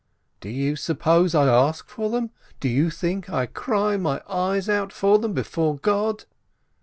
"Do you suppose I ask for them? Do you think I cry my eyes out for them before God?"